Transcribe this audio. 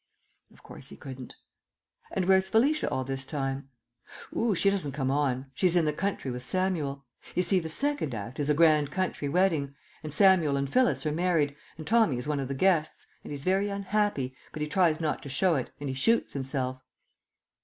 (Of course he couldn't.) "And where's Felicia all this time?" "Oo, she doesn't come on: She's in the country with Samuel. You see, the Second Act is a grand country wedding, and Samuel and Phyllis are married, and Tommy is one of the guests, and he's very unhappy, but he tries not to show it, and he shoots himself."